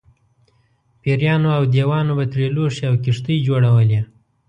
پېریانو او دیوانو به ترې لوښي او کښتۍ جوړولې.